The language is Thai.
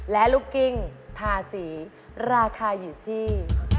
และลูกกิ้งทาสีราคาอยู่ที่